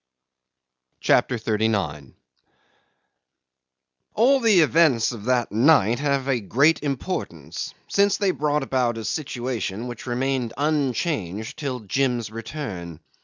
CHAPTER 39 'All the events of that night have a great importance, since they brought about a situation which remained unchanged till Jim's return.